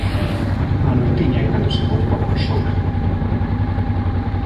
Á noitiña é cando se pon coa consola